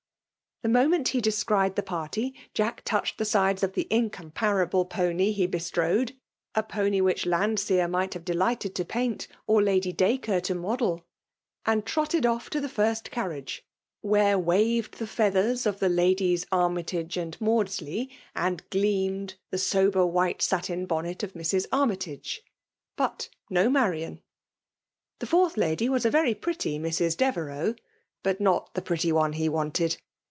. The moment he descried the puty, J^k' touched the eidea of the iiikoomparaUe p(iDy4ic heatrode,— ft pony which* Laod&eer. might ha«e 4^ghted to paint, or I^ady Dacre to model; *t^attd trotted off to the fiist carriage, wheto craved, the feathers of the Ladies , Avmy tuge. and Maudaley, and gleamed the sober; w)^te; iatm bonnet of Mrs. Armytage. But no Madan ; tile fourtK lady was a very prettyMcs. Devt: teuxy but ' not the pretty one he wanted.